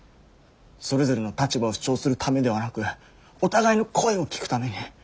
それぞれの立場を主張するためではなくお互いの声を聞くために。